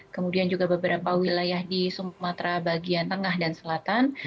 kemudian juga beberapa wilayah di sumatera bagian tengah dan selatan